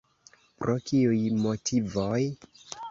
Pro kiuj motivoj?